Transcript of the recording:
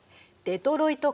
デトロイト！？